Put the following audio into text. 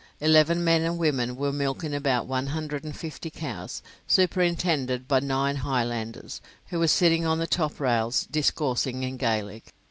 Eleven men and women were milking about one hundred and fifty cows, superintended by nine Highlanders, who were sitting on the toprails discoursing in Gaelic.